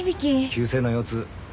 急性の腰痛。